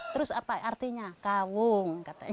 terus apa artinya kawung katanya